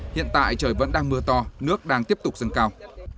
hiện tại trời vẫn đang mưa to nước đang tiếp tục dâng cao